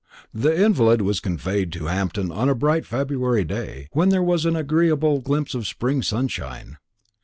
The invalid was conveyed to Hampton on a bright February day, when there was an agreeable glimpse of spring sunshine.